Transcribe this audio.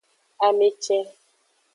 Ame ce.